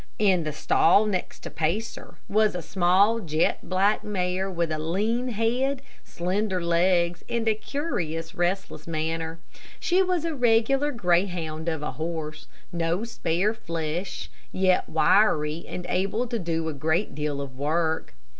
In the stall next to Pacer, was a small, jet black mare, with a lean head, slender legs, and a curious restless manner. She was a regular greyhound of a horse, no spare flesh, yet wiry and able to do a great deal of work.